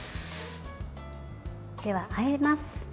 では、あえます。